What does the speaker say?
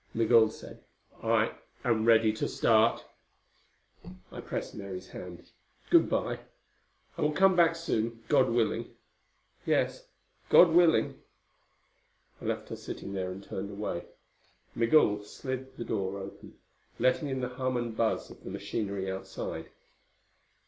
Migul said, "I am ready to start." I pressed Mary's hand. "Good by. I will come back soon, God willing." "Yes. God willing." I left her sitting there and turned away. Migul slid the door open, letting in the hum and buzz of the machinery outside.